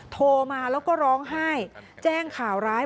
โทรมาแล้วก็ร้องไห้แจ้งข่าวร้าย